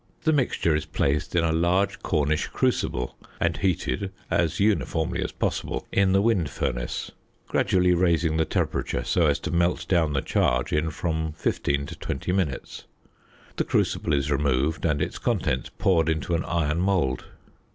The mixture is placed in a large Cornish crucible, and heated as uniformly as possible in the wind furnace, gradually raising the temperature so as to melt down the charge in from 15 to 20 minutes. The crucible is removed and its contents poured into an iron mould.